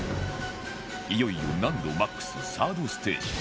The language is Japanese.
いよいよ難度マックス ３ｒｄ ステージ